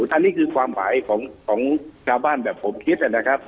อันนี้คือความหมายของชาวบ้านแบบผมคิดนะครับ